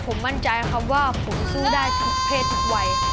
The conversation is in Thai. ผมมั่นใจครับว่าผมสู้ได้ทุกเพศทุกวัย